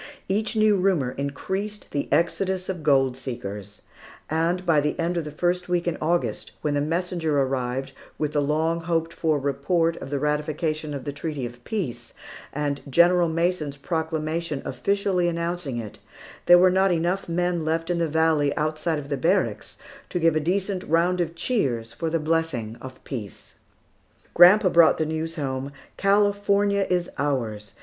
Each new rumor increased the exodus of gold seekers; and by the end of the first week in August, when the messenger arrived with the long hoped for report of the ratification of the treaty of peace, and General Mason's proclamation officially announcing it, there were not enough men left in the valley, outside of the barracks, to give a decent round of cheers for the blessing of peace. Grandpa brought the news home, "California is ours.